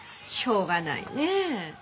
しょうがないねえ